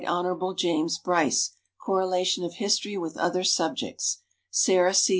Hon. James Bryce; "Correlation of History with Other Subjects," Sarah C.